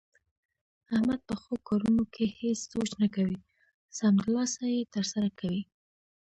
احمد په ښو کارونو کې هېڅ سوچ نه کوي، سمدلاسه یې ترسره کوي.